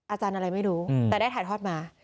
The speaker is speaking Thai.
อาจารย์อะไรไม่รู้แต่ได้ถ่ายทอดมา